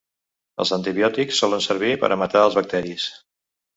Els antibiòtics solen servir per a matar els bacteris.